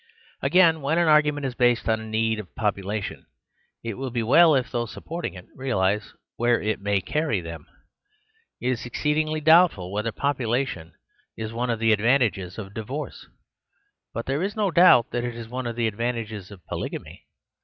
Again, when an argument is based on a need of population, it will be well if those supporting it realise where it may carry them. It is exceedingly doubtful whether population is one of the advantages of divorce; but there is no doubt that it is one of the advantages of polygamy.